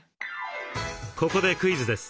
ここでクイズです。